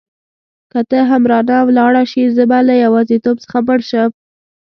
که ته هم رانه ولاړه شې زه به له یوازیتوب څخه مړ شم.